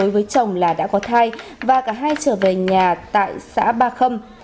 và cả hai trở về nhà tại xã ba khâm